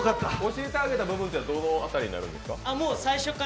教えてあげた部分はどのあたりになるんですか？